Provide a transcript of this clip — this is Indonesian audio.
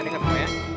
dengar semua ya